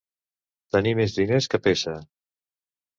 Tenir més diners que Peça.